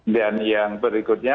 dan yang berikutnya